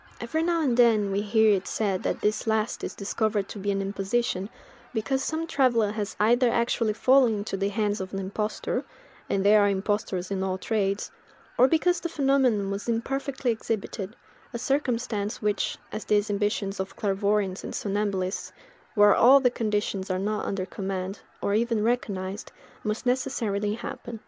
Every now and then we hear it said that this last is discovered to be an imposition, because some traveller has either actually fallen into the hands of an impostor—and there are impostors in all trades—or because the phenomenon was imperfectly exhibited; a circumstance which, as in the exhibitions of clairvoyants and somnambulists, where all the conditions are not under command, or even recognised, must necessarily happen.